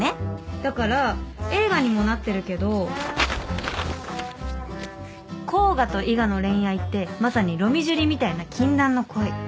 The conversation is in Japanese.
だから映画にもなってるけど甲賀と伊賀の恋愛ってまさに『ロミジュリ』みたいな禁断の恋。